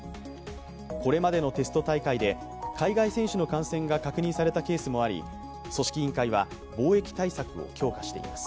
これまでのテスト大会で海外選手の感染が確認されたケースもあり組織委員会は防疫対策を強化しています。